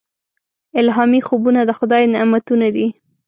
الهامي خوبونه د خدای نعمتونه دي.